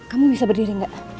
kamu bisa berdiri enggak